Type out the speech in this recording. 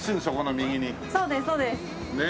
そうですそうです。ねえ。